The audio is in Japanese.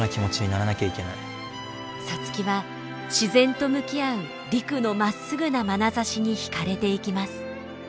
皐月は自然と向き合う陸のまっすぐなまなざしに惹かれていきます。